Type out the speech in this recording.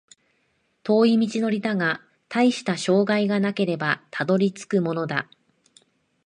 遠い道のりだが、たいした障害がなければたどり着くものだ